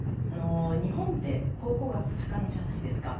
日本って考古学、盛んじゃないですか。